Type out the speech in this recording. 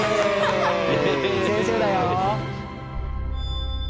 先生だよ。